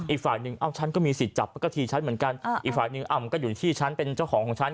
อีกฝ่ายหนึ่งเอ้าฉันก็มีสิทธิ์จับมันก็ทีฉันเหมือนกันอีกฝ่ายหนึ่งอ้ำก็อยู่ที่ฉันเป็นเจ้าของของฉัน